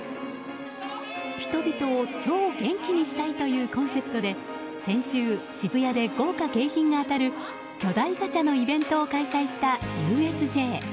人々を超元気にしたいというコンセプトで先週、渋谷で豪華景品が当たる巨大ガチャのイベントを開催したＵＳＪ。